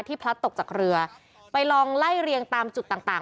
พลัดตกจากเรือไปลองไล่เรียงตามจุดต่างต่าง